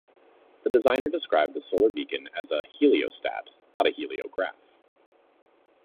The designer described the Solar Beacon as a "heliostat", not a "heliograph".